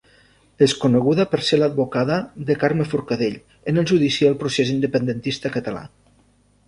És coneguda per ser l'advocada de Carme Forcadell en el judici al procés independentista català.